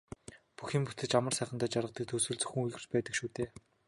Бүх юм бүтэж амар сайхандаа жаргадаг төгсгөл зөвхөн үлгэрт л байдаг шүү дээ.